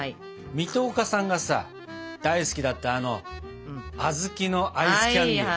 水戸岡さんがさ大好きだったあのあずきのアイスキャンデー。